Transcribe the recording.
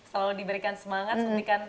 selalu diberikan semangat